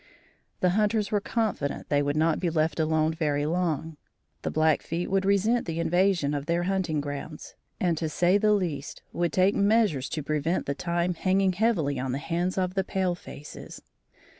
The hunters were confident they would not be left alone very long. The Blackfeet would resent the invasion of their hunting grounds, and to say the least, would take measures to prevent the time hanging heavily on the hands of the pale faces.